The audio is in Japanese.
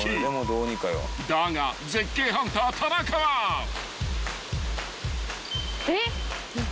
［だが絶景ハンター田中は］えっ？